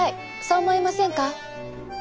そう思いませんか？